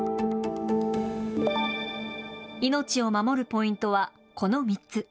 命を守るポイントはこの３つ。